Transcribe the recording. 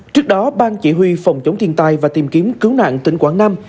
trước đó bang chỉ huy phòng chống thiên tài và tìm kiếm cứu nạn tỉnh quảng nam